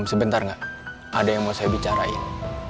sebentar nggak ada yang mau saya bicarain